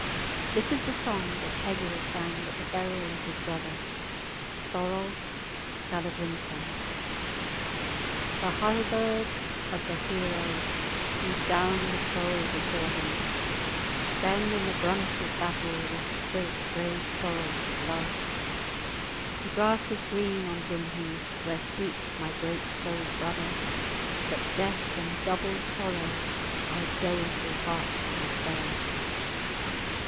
This is the song that Egil sang at the burial of his brother, Thorolf Skallagrimsson:— "The halberd of the hero Hewed down the foe before him; Then in the brunt of battle Was spilt brave Thorolf's blood. The grass is green on Vinheath Where sleeps my great souled brother; But death, in doubled sorrow, Our doleful hearts must bear."